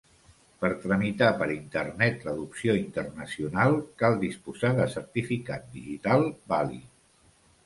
Per tramitar per Internet l'adopció internacional cal disposar de certificat digital vàlid.